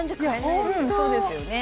そうですよ